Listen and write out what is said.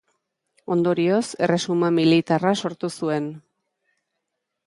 Ondorioz, erresuma militarra sortu zuen.